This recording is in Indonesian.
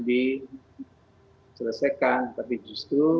diselesaikan tapi justru